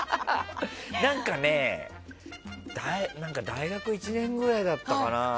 大学１年ぐらいだったかな。